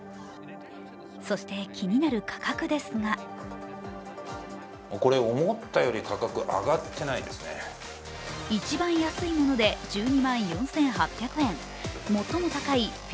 そして気になる価格ですが一番安いもので１２万４８００円、最も高い１５